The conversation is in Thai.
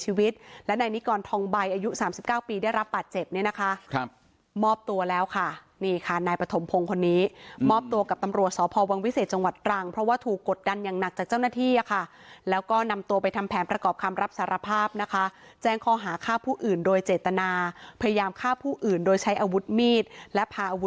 ชีวิตและนายนิกรทองใบอายุสามสิบเก้าปีได้รับบาดเจ็บเนี่ยนะคะครับมอบตัวแล้วค่ะนี่ค่ะนายปฐมพงศ์คนนี้มอบตัวกับตำรวจสพวังวิเศษจังหวัดตรังเพราะว่าถูกกดดันอย่างหนักจากเจ้าหน้าที่อะค่ะแล้วก็นำตัวไปทำแผนประกอบคำรับสารภาพนะคะแจ้งข้อหาฆ่าผู้อื่นโดยเจตนาพยายามฆ่าผู้อื่นโดยใช้อาวุธมีดและพาอาวุ